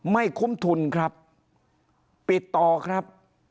ไม่คุ้มทุนครับปิดต่อครับ